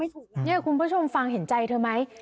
นี่คุณผู้ชมฟังเห็นใจเธอไหม